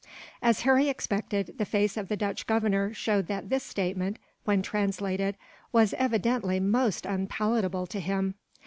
As Harry expected, the face of the Dutch Governor showed that this statement, when translated, was evidently most unpalatable to him.